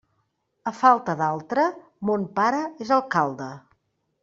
A falta d'altre, mon pare és alcalde.